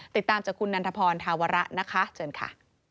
ติดตามจากคุณนันทพรธาวระนะคะเชิญค่ะ